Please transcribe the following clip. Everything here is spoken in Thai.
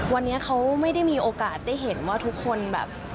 วันนี้เขาไม่ได้มีโอกาสได้เห็นว่าทุกคนแบบ